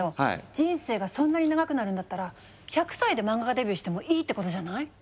人生がそんなに長くなるんだったら１００歳で漫画家デビューしてもいいってことじゃない？